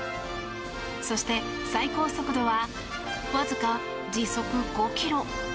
そして最高速度はわずか時速５キロ。